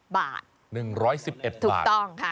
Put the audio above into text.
๑๑๑บาทถูกต้องค่ะ